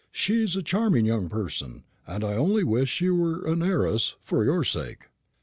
She's a charming young person, and I only wish she were an heiress, for your sake."